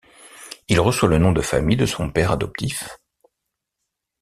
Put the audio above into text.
Il reçoit le nom de famille de son père adoptif.